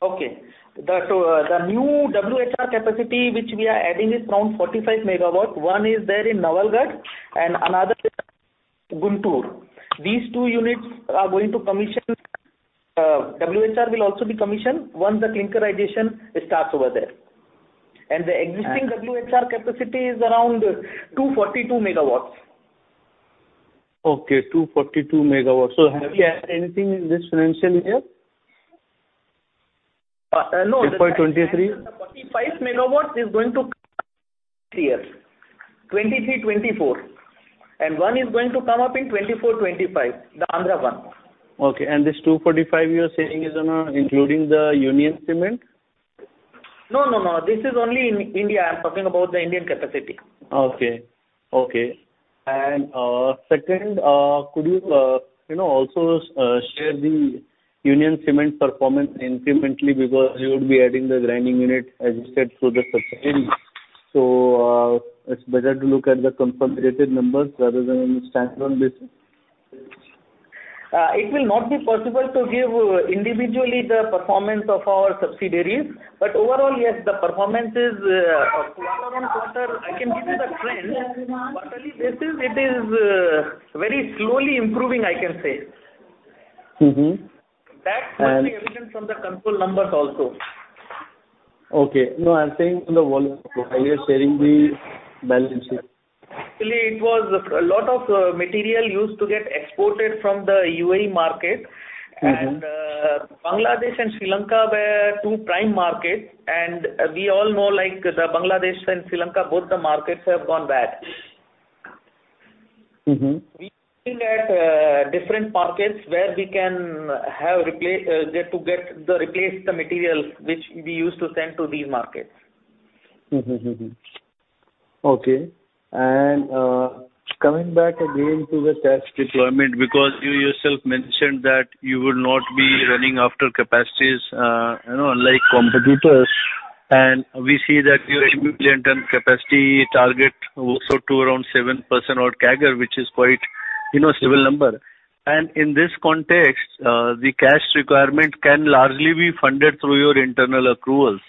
The new WHR capacity which we are adding is around 45 MW. One is there in Nawalgarh and another is Guntur. These two units are going to commission, WHR will also be commissioned once the clinkerization starts over there. The existing WHR capacity is around 242 MW. Okay, 242 MW. Have you added anything in this financial year? No. 2.23? 45 MW is going to clear 2023-2024. One is going to come up in 2024-2025, the Andhra one. Okay. This 245 MW you are saying is on a including the Union Cement? No, no. This is only in India. I'm talking about the Indian capacity. Okay. Okay. Second, could you know, also, share the Union Cement performance incrementally because you would be adding the grinding unit as you said through the subsidiary. So, it's better to look at the consolidated numbers rather than standalone basis. It will not be possible to give individually the performance of our subsidiaries. Overall, yes, the performance is, quarter-on-quarter, I can give you the trend. Quarterly basis, it is, very slowly improving, I can say. That's actually evident from the control numbers also. Okay. No, I'm saying from the volume profile, you're sharing the balance sheet. Actually, it was a lot of material used to get exported from the UAE market. Bangladesh and Sri Lanka were two prime markets, we all know like the Bangladesh and Sri Lanka, both the markets have gone bad. We are looking at, different markets where we can get to replace the materials which we used to send to these markets. Okay. Coming back again to the cash deployment, because you yourself mentioned that you would not be running after capacities, you know, unlike competitors. We see that your million ton capacity target also to around 7% or CAGR, which is quite, you know, stable number. In this context, the cash requirement can largely be funded through your internal accruals,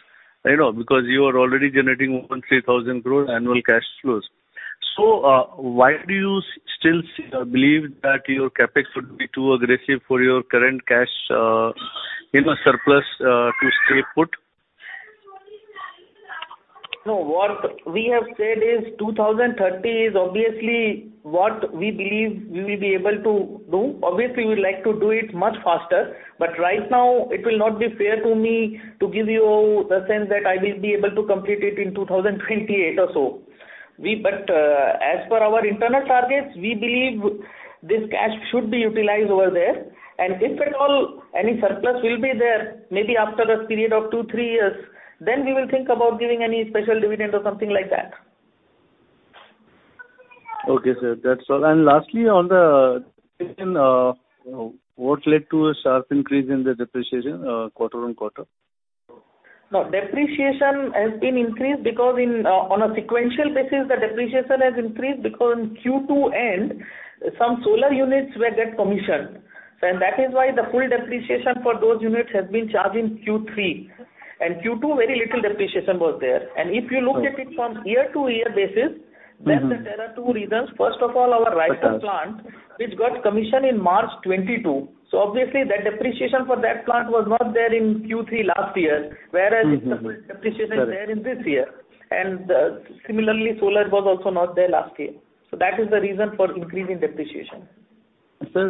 you know, because you are already generating more than 3,000 crores annual cash flows. Why do you still believe that your CapEx would be too aggressive for your current cash, you know, surplus, to stay put? What we have said is 2030 is obviously what we believe we will be able to do. Obviously, we would like to do it much faster, but right now it will not be fair to me to give you the sense that I will be able to complete it in 2028 or so. As per our internal targets, we believe this cash should be utilized over there. If at all any surplus will be there, maybe after a period of two to three years, then we will think about giving any special dividend or something like that. Okay, sir. That's all. Lastly, on the, you know, what led to a sharp increase in the depreciation, quarter-on-quarter? No depreciation has been increased because in, on a sequential basis the depreciation has increased because in Q2 end, some solar units were get commissioned. That is why the full depreciation for those units has been charged in Q3. Q2, very little depreciation was there. If you look at it from year-to-year basis- There are two reasons. First of all, our Raipur plant, which got commissioned in March 2022. obviously the depreciation for that plant was not there in Q3 last year, whereas. The full depreciation there in this year. Similarly solar was also not there last year. That is the reason for increase in depreciation. Sir,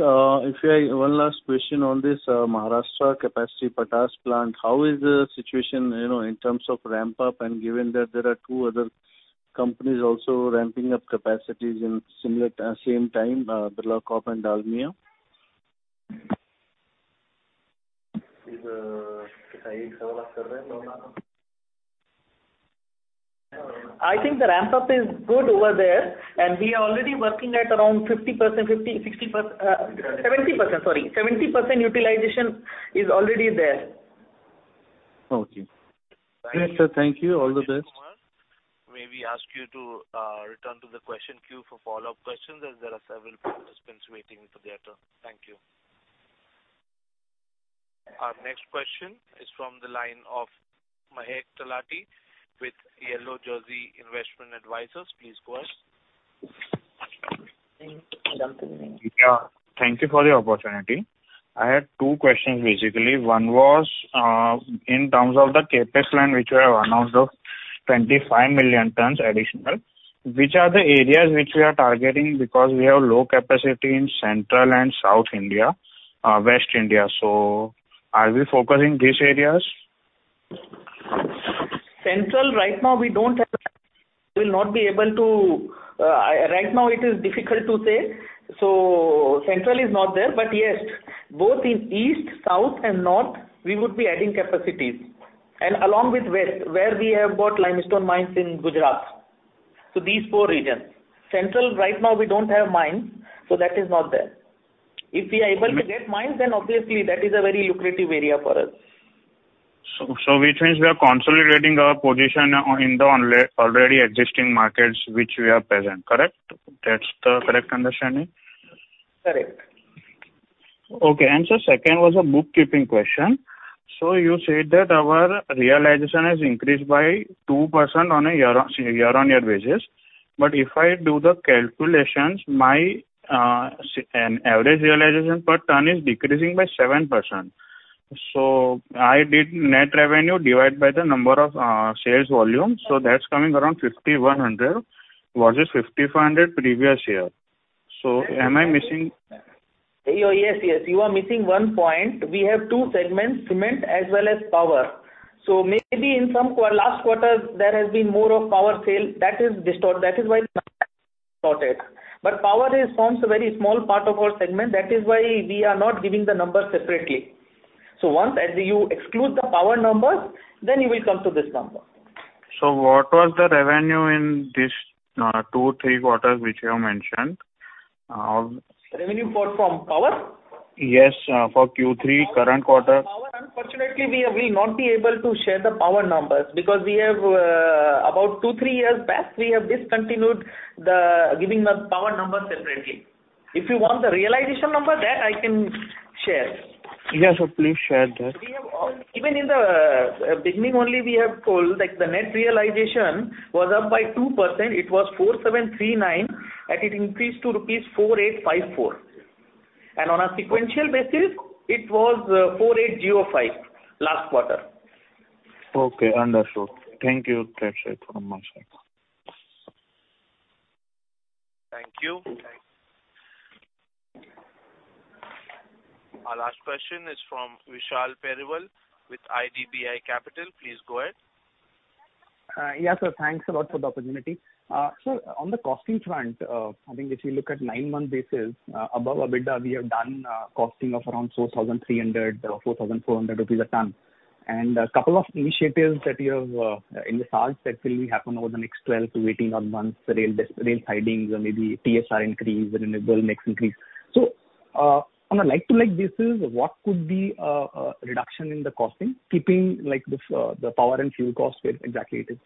one last question on this Maharashtra capacity Patas plant. How is the situation, you know, in terms of ramp up and given that there are two other companies also ramping up capacities in similar same time, Birla Corp and Dalmia? I think the ramp up is good over there. We are already working at around 70%, sorry. 70% utilization is already there. Okay. Sir, thank you. All the best. May we ask you to return to the question queue for follow-up questions as there are several participants waiting for their turn. Thank you. Our next question is from the line of Mahek Talati with Yellow Jersey Investment Advisors. Please go ahead. Yeah. Thank you for the opportunity. I had two questions basically. One was, in terms of the CapEx plan, which we have announced of 25 million tons additional, which are the areas which we are targeting because we have low capacity in Central and South India, West India. Are we focusing these areas? Central right now we don't have the capacity. We'll not be able to. Right now it is difficult to say. Central is not there. Yes, both in East, South and North, we would be adding capacities. Along with West, where we have got limestone mines in Gujarat. These four regions. Central right now we don't have mines, so that is not there. If we are able to get mines, then obviously that is a very lucrative area for us. Which means we are consolidating our position in the already existing markets which we are present, correct? That's the correct understanding? Correct. Okay. Second was a bookkeeping question. You said that our realization has increased by 2% on a year-on-year basis. If I do the calculations, my an average realization per ton is decreasing by 7%. I did net revenue divide by the number of sales volume. That's coming around 5,100 versus 5,400 previous year. Am I missing? Yes. You are missing one point. We have two segments, cement as well as power. Maybe in some last quarter, there has been more of power sale that is why distorted. Power forms a very small part of our segment. That is why we are not giving the numbers separately. Once as you exclude the power numbers, then you will come to this number. What was the revenue in this, two, three quarters, which you have mentioned? Revenue for, from power? For Q3 current quarter. Power, unfortunately, we will not be able to share the power numbers because we have about two to three years back, we have discontinued the giving the power numbers separately. If you want the realization number, that I can share. Yes, please share that. We have Even in the beginning only we have told, like, the net realization was up by 2%. It was 4,739, and it increased to rupees 4,854. On a sequential basis, it was 4,805 last quarter. Okay, understood. Thank you. That's it from my side. Thank you. Our last question is from Vishal Periwal with IDBI Capital. Please go ahead. Yeah, sir. Thanks a lot for the opportunity. On the costing front, I think if you look at nine-month basis, above EBITDA, we have done costing of around 4,300-4,400 rupees a ton. A couple of initiatives that you have in the charts that will happen over the next 12-18 odd months, rail sidings or maybe TSR increase and the coal mix increase. On a like-to-like basis, what could be a reduction in the costing, keeping like this, the power and fuel cost where exactly it is?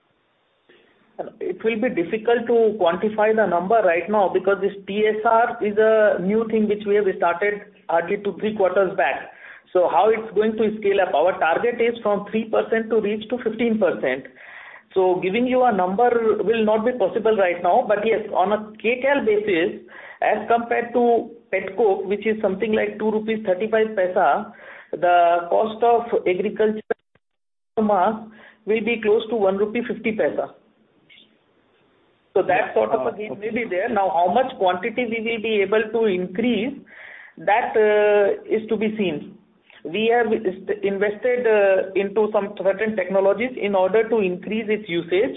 It will be difficult to quantify the number right now because this TSR is a new thing which we have started hardly two, three quarters back. How it's going to scale up? Our target is from 3%-15%. Giving you a number will not be possible right now. Yes, on a Kcal basis, as compared to pet coke, which is something like 2.35 rupees, the cost of agriculture will be close to 1.50 rupee. That sort of a gain may be there. Now, how much quantity we will be able to increase, that is to be seen. We have invested into some certain technologies in order to increase its usage.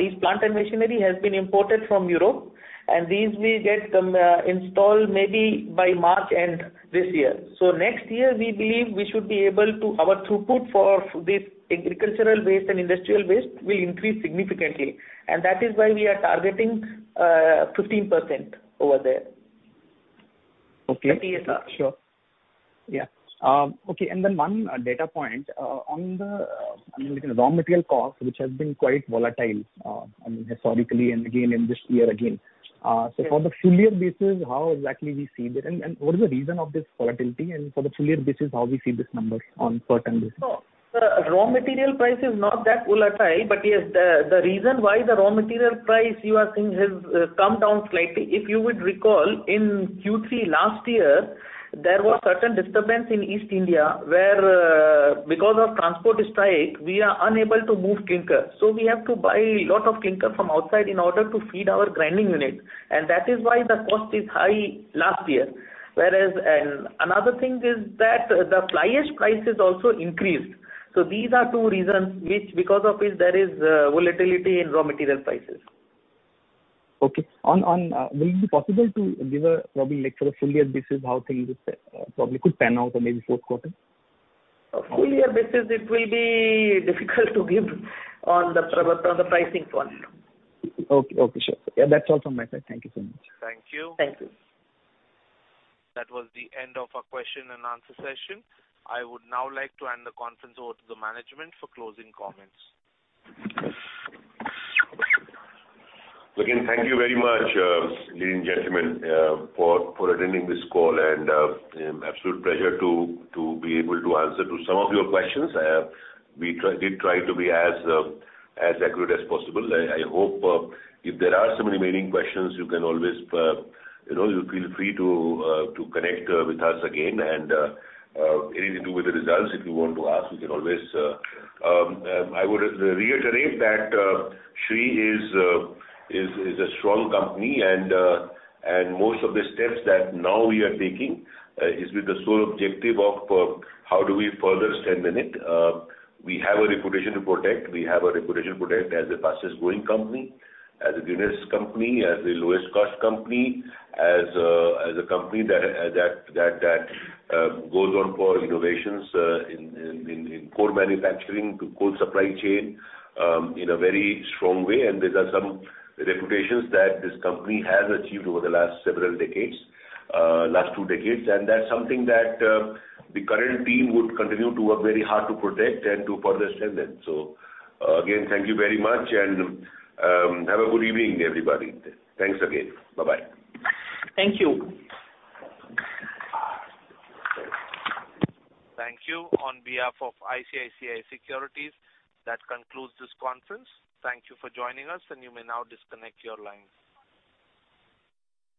These plant and machinery has been imported from Europe, and these we get them installed maybe by March end this year. Next year, we believe our throughput for this agricultural waste and industrial waste will increase significantly. That is why we are targeting, 15% over there. Okay. The TSR. Sure. Yeah. Okay. One data point on the raw material cost, which has been quite volatile, I mean, historically and again in this year again. Yes. For the full year basis, how exactly we see this? What is the reason of this volatility? For the full year basis, how we see these numbers on per ton basis? The raw material price is not that volatile. Yes, the reason why the raw material price you are seeing has come down slightly, if you would recall in Q3 last year, there was certain disturbance in East India, where because of transport strike, we are unable to move clinker. We have to buy lot of clinker from outside in order to feed our grinding unit. That is why the cost is high last year. Whereas, another thing is that the fly ash prices also increased. These are two reasons which because of which there is volatility in raw material prices. Okay. On, will it be possible to give a probably like sort of full year basis how things would, probably could pan out or maybe fourth quarter? Full year basis, it will be difficult to give on the pricing front. Okay. Okay, sure. Yeah, that's all from my side. Thank you so much. Thank you. Thank you. That was the end of our question-and answer session. I would now like to hand the conference over to the management for closing comments. Thank you very much, ladies and gentlemen, for attending this call, absolute pleasure to be able to answer to some of your questions. We did try to be as accurate as possible. I hope, if there are some remaining questions, you can always, you know, feel free to connect with us again. Anything to do with the results, if you want to ask, you can always, I would reiterate that Shree is a strong company and most of the steps that now we are taking is with the sole objective of how do we further strengthen it. We have a reputation to protect. We have a reputation to protect as the fastest growing company, as the greenest company, as the lowest cost company, as a company that goes on for innovations in core manufacturing to core supply chain in a very strong way. These are some reputations that this company has achieved over the last several decades, last two decades. That's something that the current team would continue to work very hard to protect and to further strengthen. Again, thank you very much. Have a good evening, everybody. Thanks again. Bye-bye. Thank you. Thank you. On behalf of ICICI Securities, that concludes this conference. Thank you for joining us, and you may now disconnect your lines.